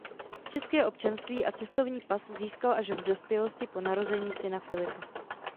České občanství a cestovní pas získal až v dospělosti po narození syna Filipa.